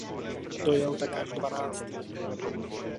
Dojel tak až dvanáctý.